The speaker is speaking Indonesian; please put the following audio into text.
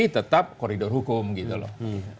tetap koridor hukum gitu loh